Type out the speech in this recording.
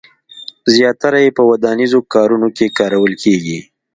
زیاتره یې په ودانیزو کارونو کې کارول کېږي.